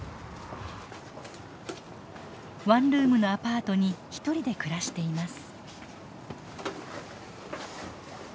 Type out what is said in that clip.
ワンルームのアパートに一人で暮らしています。